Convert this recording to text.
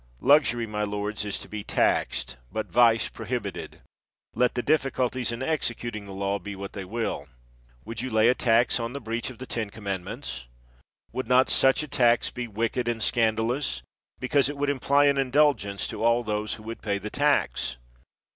Luxury, my lords, is to be taxed, but vice pro hibited, let the difficulties in executing the law be what they will. Would you lay a tax on the breach of the ten commandments ? Would not such a tax be wicked and scandalous; because it would imply an indulgence to all those who would pay the tax